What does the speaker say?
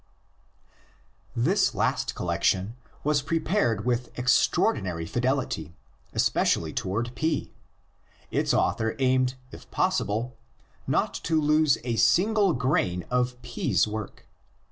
This last collection was prepared with extraor dinary fidelity, especially toward P; its author aimed if possible not to lose a single grain of P's work.